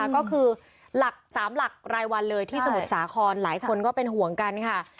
ก็คือหลัก๓หลักรายวันเลยที่สมุทรสาครหลายคนก็เป็นห่วงกันค่ะ